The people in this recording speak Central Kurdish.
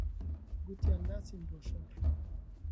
گوتیان ناچن بۆ شار